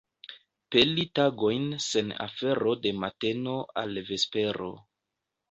Peli tagojn sen afero de mateno al vespero.